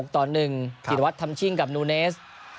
ต่อ๑กิรวัตรทำชิ่งกับนูเนส